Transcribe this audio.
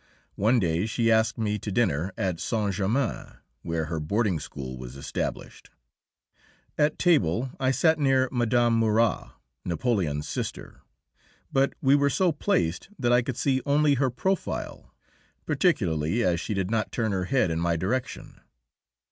One day she asked me to dinner at Saint Germain, where her boarding school was established. At table I sat near Mme. Murat, Napoleon's sister, but we were so placed that I could see only her profile, particularly as she did not turn her head in my direction.